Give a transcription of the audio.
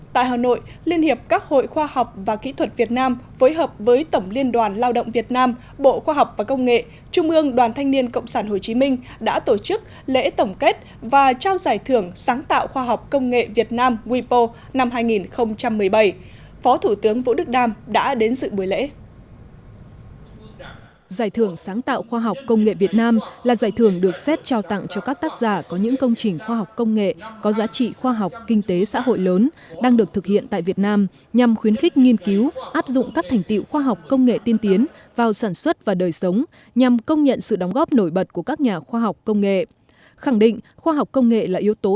tại hà nội liên hiệp các hội khoa học và kỹ thuật việt nam phối hợp với tổng liên đoàn lao động việt nam bộ khoa học và công nghệ trung ương đoàn thanh niên cộng sản hồ chí minh đã tổ chức lễ tổng kết và trao giải thưởng sáng tạo khoa học công nghệ việt nam wipo năm hai nghìn một mươi bảy phó thủ tướng vũ đức đam đã đến sự buổi lễ